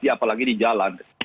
apalagi di jalan